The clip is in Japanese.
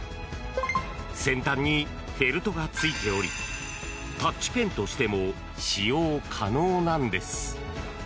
先端にフェルトがついておりタッチペンとしても使用可能なんです。